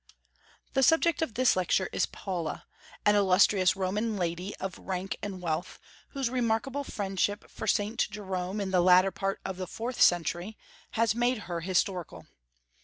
The subject of this lecture is Paula, an illustrious Roman lady of rank and wealth, whose remarkable friendship for Saint Jerome, in the latter part of the fourth century, has made her historical.